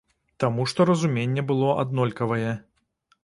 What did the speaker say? Таму што разуменне было аднолькавае.